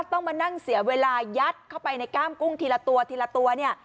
ต้องมานั่งเสียเวลายัดเข้าไปในก้ามกุ้งทีละตัวทีละตัวเนี่ย